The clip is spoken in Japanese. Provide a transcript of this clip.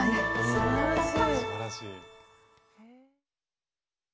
すばらしい。